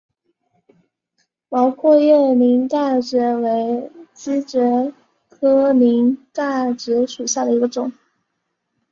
毛阔叶鳞盖蕨为姬蕨科鳞盖蕨属下的一个种。